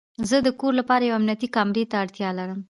زه د کور لپاره یوې امنیتي کامرې ته اړتیا لرم